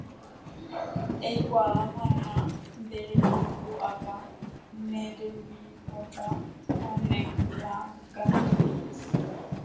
Eikuaava'erã nde rekopu'aka, ne rembipota ha ne py'akangy